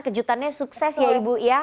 kejutannya sukses ya ibu ya